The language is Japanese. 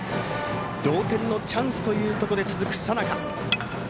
同点のチャンスというところで続く佐仲。